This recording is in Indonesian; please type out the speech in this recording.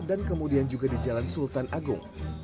dan kemudian juga di jalan sultan agung